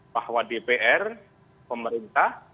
bahwa dpr pemerintah